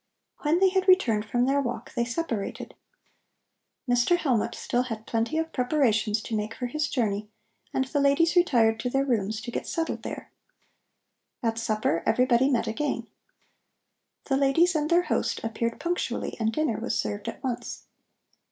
When they had returned from their walk they separated. Mr. Hellmut had still plenty of preparations to make for his journey, and the ladies retired to their rooms to get settled there. At supper everybody met again. The ladies and their host appeared punctually and dinner was served at once.